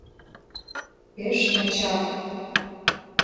— Пеш начар...